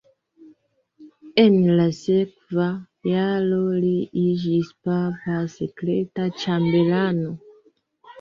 En la sekva jaro li iĝis papa sekreta ĉambelano.